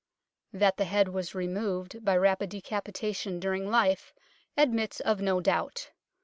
" That the head was removed by rapid decapi tation during life admits of no doubt.